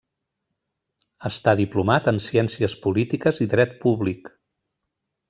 Està diplomat en ciències polítiques i dret públic.